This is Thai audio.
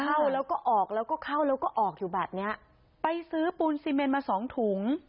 เข้าแล้วก็ออกแล้วก็เข้าแล้วก็ออกอยู่แบบเนี้ยไปซื้อปูนซีเมนมาสองถุง